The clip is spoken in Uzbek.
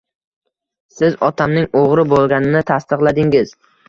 Siz otamning o`g`ri bo`lganini tasdiqladingiz